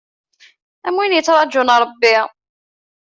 Am win yettraǧun Ṛebbi.